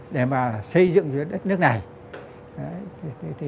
để mà xây dựng cho đất nước này